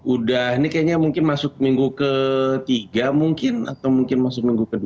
udah ini kayaknya mungkin masuk minggu ke tiga mungkin atau mungkin masuk minggu ke dua